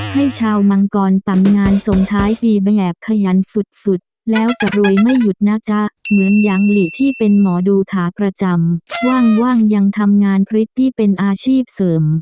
ให้ชาวมังกรตำนานส่งท้ายปีแบบแอบขยันสุดแล้วจะรวยไม่หยุดนะจ๊ะเหมือนยังหลีที่เป็นหมอดูขาประจำว่างยังทำงานพริกที่เป็นอาชีพเสริม